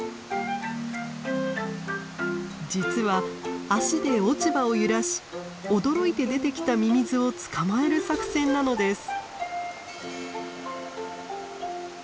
実は脚で落ち葉を揺らし驚いて出てきたミミズを捕まえる作戦なのです。